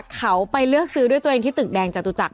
เขาไปเลือกซื้อด้วยตัวเองที่ตึกแดงจตุจักร